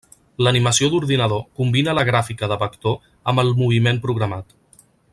L'animació d'ordinador combina la gràfica de Vector amb el moviment programat.